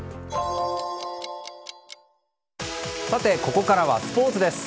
さて、ここからはスポーツです。